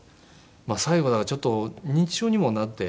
最後だからちょっと認知症にもなっていたんですね。